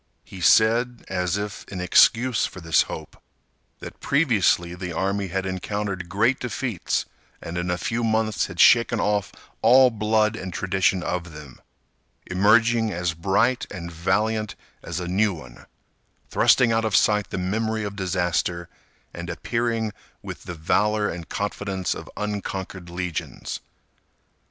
He said, as if in excuse for this hope, that previously the army had encountered great defeats and in a few months had shaken off all blood and tradition of them, emerging as bright and valiant as a new one; thrusting out of sight the memory of disaster, and appearing with the valor and confidence of unconquered legions.